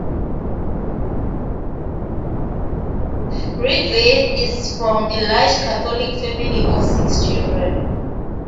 Rick Veitch is from a large Catholic family of six children.